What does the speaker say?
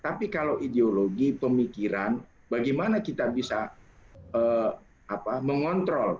tapi kalau ideologi pemikiran bagaimana kita bisa mengontrol